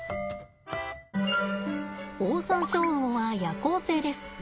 オオサンショウウオは夜行性です。